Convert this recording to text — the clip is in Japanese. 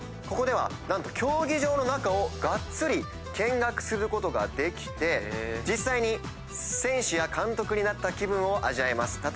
ここでは何と競技場の中をがっつり見学することができて実際に選手や監督になった気分を味わえます。